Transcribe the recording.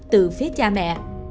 từ phía cha mẹ